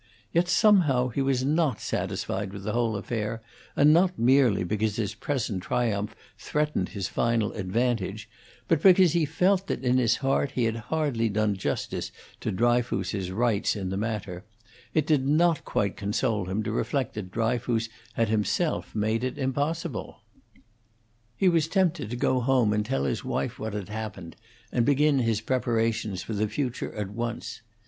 Yet somehow he was not satisfied with the whole affair, and not merely because his present triumph threatened his final advantage, but because he felt that in his heart he had hardly done justice to Dryfoos's rights in the matter; it did not quite console him to reflect that Dryfoos had himself made it impossible. He was tempted to go home and tell his wife what had happened, and begin his preparations for the future at once.